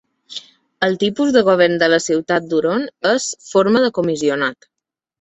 El tipus de govern de la ciutat de Huron és "forma de comissionat".